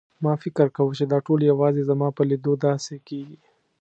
ما فکر کاوه چې دا ټول یوازې زما په لیدو داسې کېږي.